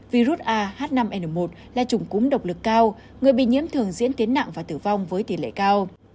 virus a h năm n một là trùng cúm độc lực cao người bị nhiễm thường diễn tiến nặng và tử vong với tỷ lệ cao